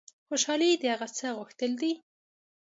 خوشحالي د هغه څه غوښتل دي.